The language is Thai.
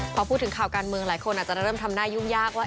พอพูดถึงข่าวการเมืองหลายคนอาจจะเริ่มทำหน้ายุ่งยากว่า